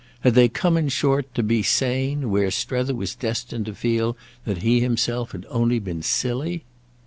Had they come in short to be sane where Strether was destined to feel that he himself had only been silly?